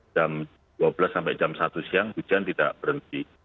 jam dua belas sampai jam satu siang hujan tidak berhenti